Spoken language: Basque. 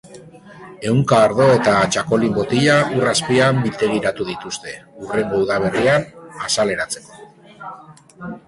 Ehunka ardo eta txakokin botila ur azpian biltegiratu dituzte, hurrengo udaberrian azaleratzeko.